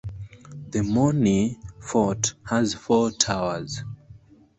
The Morni fort has four towers.